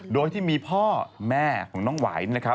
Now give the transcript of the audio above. โดยที่มีพ่อแม่ของน้องหวาย